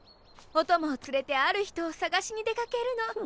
お供を連れてある人を捜しに出かけるの。